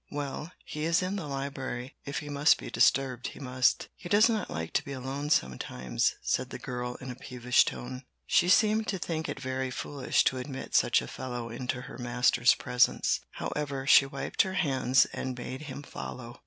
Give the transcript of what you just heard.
"Well, he is in the library; if he must be disturbed, he must. He does like to be alone sometimes," said the girl in a peevish tone. She seemed to think it very foolish to admit such a fellow into her master's presence. However, she wiped her hands, and bade him follow.